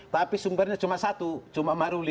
tapi sumbernya cuma satu cuma maruli